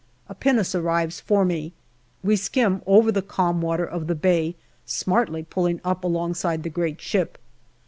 A pinnace arrives for me ; we skim over the calm water of the bay, smartly pulling up alongside the great ship.